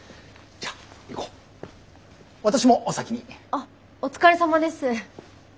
あっお疲れさまです。